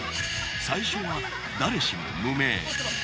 最初は誰しも無名。